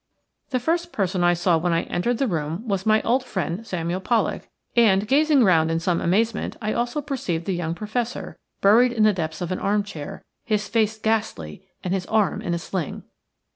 The first person I saw when I entered the room was my old friend Samuel Pollak, and gazing round in some amazement I also perceived the young Professor, buried in the depths of an arm chair, his face ghastly and his arm in a sling.